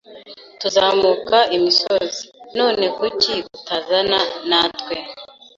Tuzamuka imisozi, none kuki utazana natwe?